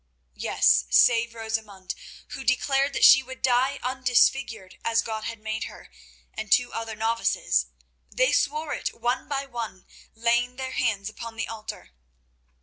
Yes, save Rosamund, who declared that she would die undisfigured as God had made her, and two other novices, they swore it one by one, laying their hands upon the altar.